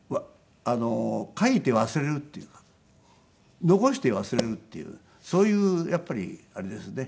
書いて忘れるっていうか残して忘れるっていうそういうやっぱりあれですね。